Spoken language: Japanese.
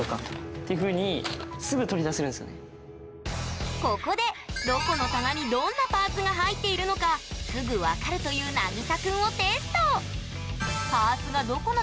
っていうふうにここでどこの棚にどんなパーツが入っているのかすぐ分かるというなぎさくんをやめて。